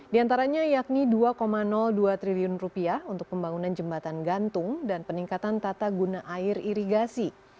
di antaranya yakni rp dua dua triliun rupiah untuk pembangunan jembatan gantung dan peningkatan tata guna air irigasi